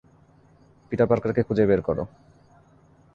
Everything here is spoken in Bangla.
পিটার পার্কারকে খুঁজে বের করো!